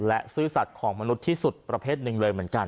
และซื่อสัตว์ของมนุษย์ที่สุดประเภทหนึ่งเลยเหมือนกัน